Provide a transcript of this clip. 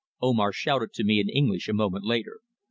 Omar shouted to me in English a moment later.